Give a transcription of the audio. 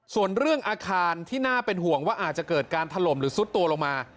ส่วนเรื่องอาคารที่น่าเป็นห่วงว่าอาจจะเกิดการถล่มหรือซุดตัวลงมา